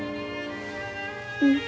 うん。